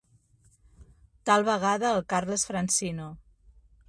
Tal vegada el Carles Francino.